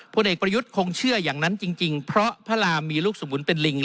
พลเอกประยุทธ์คงเชื่ออย่างนั้นจริงเพราะพระรามมีลูกสมุนเป็นลิง